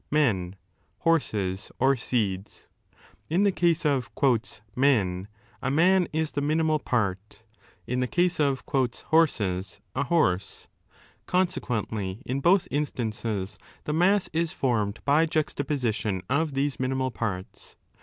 men, horses, or seeds. In the case of 'men,' a man is the minimal part;^ in the case of 'hoisea,' a horse. Consequently, in both instances the mass is formed by juxtaposition of these minimal parts.